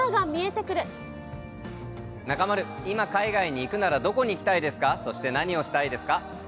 中丸、今海外に行くならどこに行きたいですか、そして何をしたいですか。